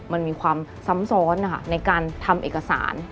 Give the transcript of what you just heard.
มันมีความซ้ำซ้อนในการทำเอกสาร